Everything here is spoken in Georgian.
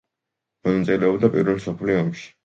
მონაწილეობდა პირველ მსოფლიო ომში.